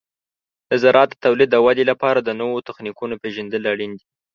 د زراعت د تولید د ودې لپاره د نوو تخنیکونو پیژندل اړین دي.